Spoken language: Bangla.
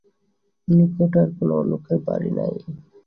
নিকটে আর কোন লোকের বাড়ি নাই।